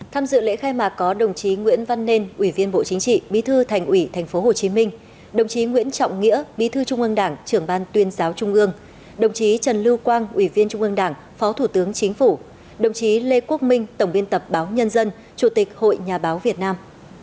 tham dự lễ khai mạc có đồng chí nguyễn văn nên ủy viên bộ chính trị bí thư thành ủy tp hcm đồng chí nguyễn trọng nghĩa bí thư trung ương đảng trưởng ban tuyên giáo trung ương đồng chí trần lưu quang ủy viên trung ương đảng phó thủ tướng chính phủ đồng chí lê quốc minh tổng biên tập báo nhân dân chủ tịch hội nhà báo việt nam